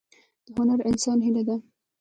دا د هر انسان هیله ده.